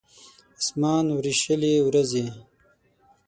اسمان وریشلې وریځې